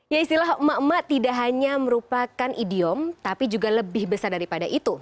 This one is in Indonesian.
ya istilah emak emak tidak hanya merupakan idiom tapi juga lebih besar daripada itu